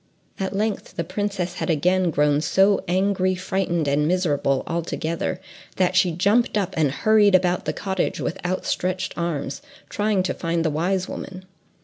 At length the princess had again grown so angry, frightened, and miserable, all together, that she jumped up and hurried about the cottage with outstretched arms, trying to find the wise woman.